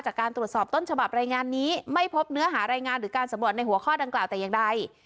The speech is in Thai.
จากการตรวจสอบต้นฉบับรายงานนี้ไม่พบเนื้อหารายงานหรือการสำรวจในหัวข้อดังกล่าวแต่อย่างใด